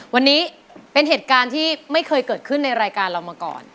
วันนี้เป็นเหตุการณ์ที่ไม่เคยเกิดขึ้นในรายการเรามาก่อน